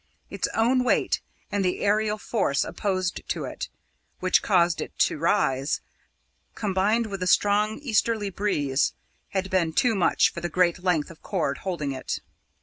Its own weight, and the aerial force opposed to it, which caused it to rise, combined with the strong easterly breeze, had been too much for the great length of cord holding it.